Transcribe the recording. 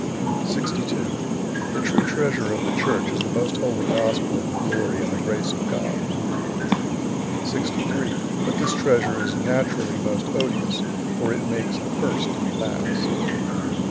62. The true treasure of the Church is the Most Holy Gospel of the glory and the grace of God. 63. But this treasure is naturally most odious, for it makes the first to be last.